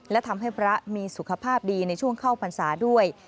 และทำให้พระมีสุขภาพดีในช่วงเข้าพรรษาด้วย